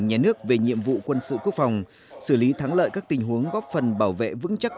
nhà nước về nhiệm vụ quân sự quốc phòng xử lý thắng lợi các tình huống góp phần bảo vệ vững chắc